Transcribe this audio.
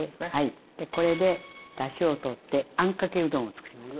これでだしを取ってあんかけうどんをつくります。